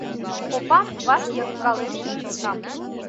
Копам ваш йыгкален шинчылтам.